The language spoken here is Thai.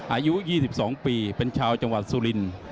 อายุ๒๒ปีเป็นชาวจังหวัดสุรินทร์